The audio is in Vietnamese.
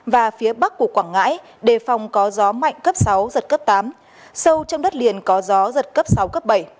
và phía bắc của quảng ngãi đề phòng có gió mạnh cấp sáu giật cấp tám sâu trong đất liền có gió giật cấp sáu cấp bảy